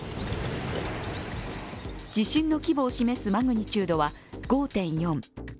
地震の規模を示すマグニチュードは５．４。